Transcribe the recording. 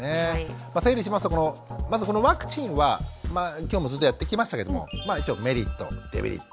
まあ整理しますとまずこのワクチンは今日もずっとやってきましたけどもまあ一応メリット・デメリット